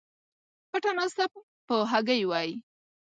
پټه ناسته په هګۍ وای